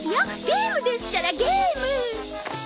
ゲームですからゲーム。